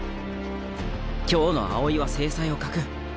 今日の青井は精彩を欠く。